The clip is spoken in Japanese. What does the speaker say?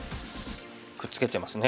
くっつけてますね。